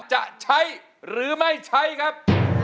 จะใช้หรือไม่ใช้ครับ